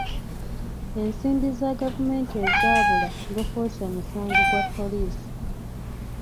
Ensimbi za gavumenti ezaabula gufuuse musango gwa poliisi.